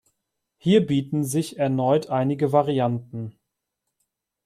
Hier bieten sich erneut einige Varianten.